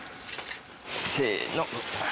せの。